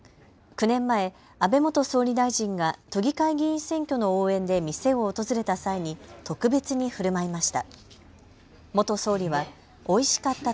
９年前、安倍元総理大臣が都議会議員選挙の応援で店を訪れた際に特別にふるまいました。